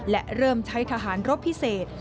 และเริ่มใช้ทหารรบพิเศษ